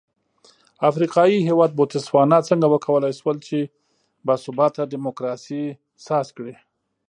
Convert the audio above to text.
افریقايي هېواد بوتسوانا څنګه وکولای شول چې با ثباته ډیموکراسي ساز کړي.